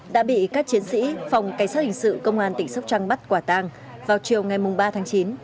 đã bị các chiến sĩ phòng cảnh sát hình sự công an tỉnh sóc trăng bắt quả tang vào chiều ngày ba tháng chín